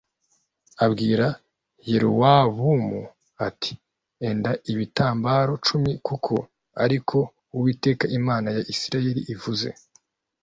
Abwira Yerobowamu ati “Enda ibitambaro cumi kuko ari ko Uwiteka Imana ya Isirayeli ivuze